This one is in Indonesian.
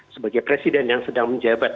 sebagai presiden yang sedang menjabat